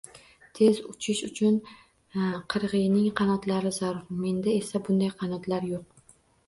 Tez uchish uchun qirg‘iyning qanotlari zarur, menda esa, bunday qanotlar yo‘q.